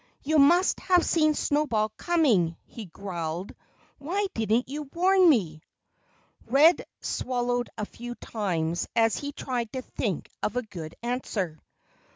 "You must have seen Snowball coming," he growled. "Why didn't you warn me?" Red swallowed a few times as he tried to think of a good answer.